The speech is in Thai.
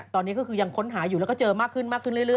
ตอนนี้ก็คือยังค้นหาอยู่แล้วก็เจอมากขึ้นมากขึ้นเรื่อย